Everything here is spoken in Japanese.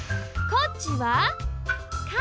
こっちは影。